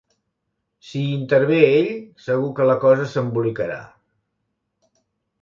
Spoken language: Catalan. Si hi intervé ell, segur que la cosa s'embolicarà!